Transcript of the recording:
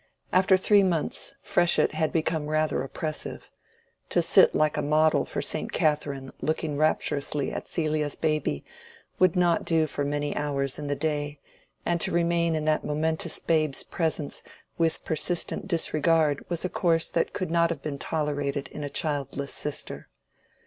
After three months Freshitt had become rather oppressive: to sit like a model for Saint Catherine looking rapturously at Celia's baby would not do for many hours in the day, and to remain in that momentous babe's presence with persistent disregard was a course that could not have been tolerated in a childless sister.